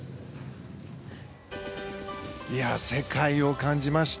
世界を感じました。